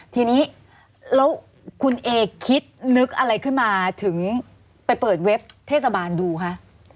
ทีนี้แล้วคุณเอคิดนึกอะไรขึ้นมาถึงไปเปิดเว็บเทศบาลดูคะ